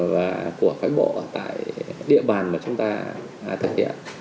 và của phái bộ ở tại địa bàn mà chúng ta thực hiện